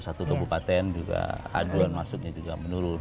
satu kabupaten juga aduan masuknya juga menurun